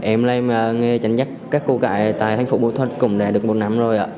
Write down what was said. em là em nghe chánh nhắc các cô gái tại thanh phục bộ thuận cũng đã được một năm rồi ạ